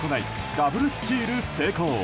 ダブルスチール成功。